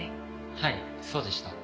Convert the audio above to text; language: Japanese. はいそうでした。